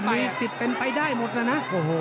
มีสิทธิ์เป็นไปได้หมดน่ะนะ